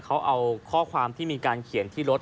เขาเอาข้อความที่มีการเขียนที่รถ